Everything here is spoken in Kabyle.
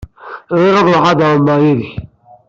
Bɣiɣ ad ruḥeɣ ad ɛummeɣ yid-k.